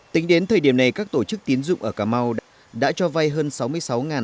tính đến thời điểm này các tổ chức tín dụng ở cà mau đã cho vay hơn sáu mươi sáu sáu trăm linh lượt khách hàng